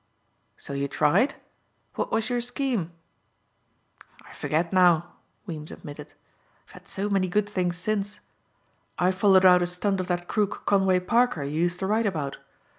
"So you tried? What was your scheme?" "I forget now," Weems admitted. "I've had so many good things since. I followed out a stunt of that crook, Conway Parker, you used to write about.